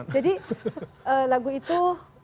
jadi lagu itu